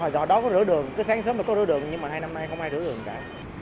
do đó có rửa đường cứ sáng sớm nó có rửa đường nhưng mà hai năm nay không ai rửa đường cả